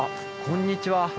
こんにちは。